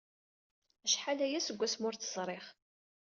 Acḥal aya seg wasmi ur tt-ẓriɣ.